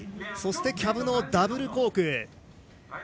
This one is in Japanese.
そしてキャブダブルコーク。